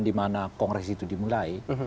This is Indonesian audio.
dimana kongres itu dimulai